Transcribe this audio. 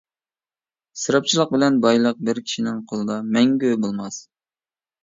ئىسراپچىلىق بىلەن بايلىق بىر كىشىنىڭ قولىدا مەڭگۈ بولماس.